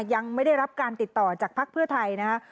ยังไม่ได้รับการติดต่อจากภักดิ์เพื่อไทยนะคะ